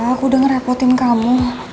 aku udah ngerepotin kamu